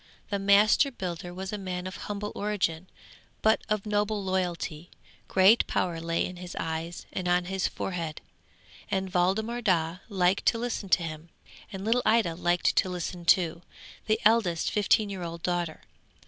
The master builder was a man of humble origin, but of noble loyalty; great power lay in his eyes and on his forehead, and Waldemar Daa liked to listen to him, and little Ida liked to listen too, the eldest fifteen year old daughter.